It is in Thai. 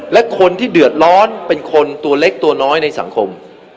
และคนที่เดือดร้อนเป็นคนตัวเล็กตัวน้อยในสังคม